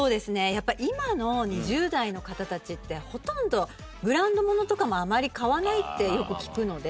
やっぱ今の２０代の方たちってほとんどブランド物とかもあまり買わないってよく聞くので。